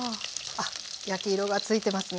あっ焼き色がついてますね。